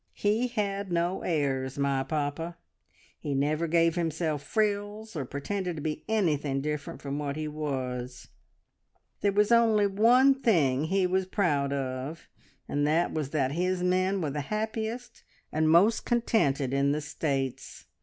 He had no airs, my pappa; he never gave himself frills, or pretended to be anything different from what he was there was only one thing he was proud of, and that was that his men were the happiest and most contented in the States.